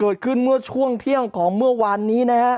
เกิดขึ้นเมื่อช่วงเที่ยงของเมื่อวานนี้นะฮะ